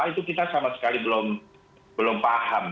itu kita sama sekali belum paham